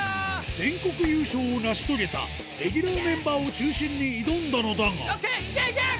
全国優勝を成し遂げたレギュラーメンバーを中心に挑んだのだがＯＫ！